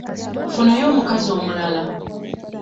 Funayo omukazi omulala.